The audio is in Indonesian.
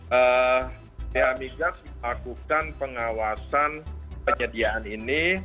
bpa migas melakukan pengawasan penyediaan ini